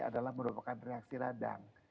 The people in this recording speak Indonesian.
adalah merupakan reaksi radang